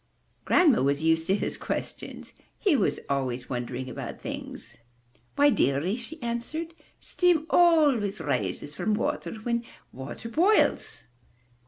'' Grandma was used to his questions; he was always wondering about things. 'Why, dearie,'' she answered, "steam always rises from water whenever water boils."